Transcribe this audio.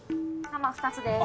生２つです。